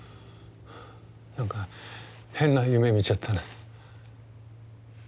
なんか変な夢見ちゃったな。